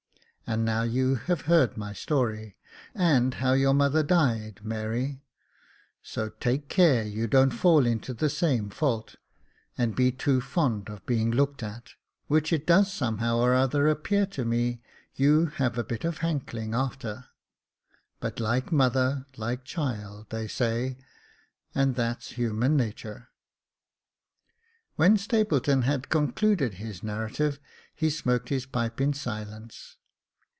And now you have heard my story, and how your mother died, Mary ; so take care you don't fall into the same fault, and be too fond of being looked at, which it does somehow or another appear to me you have a bit of a hankling a'ter — but like mother like child, they say, and that's human naturP When Stapleton had concluded his narrative, he smoked his pipe in silence.